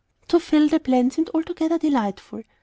To Phil the plan seemed altogether delightful.